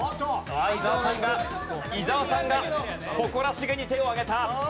伊沢さんが伊沢さんが誇らしげに手を挙げた。